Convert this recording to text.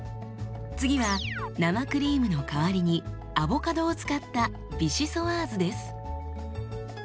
次は生クリームの代わりにアボカドを使ったビシソワーズです。